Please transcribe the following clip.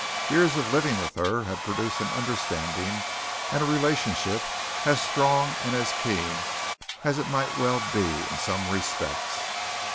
Years of living with her had produced an understanding and a relationship as strong and as keen as it might well be in some respects.